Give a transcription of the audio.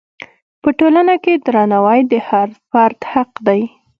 په ټولنه کې درناوی د هر فرد حق دی.